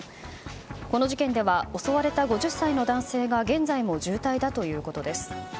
この事件では襲われた５０歳の男性が現在も重体だということです。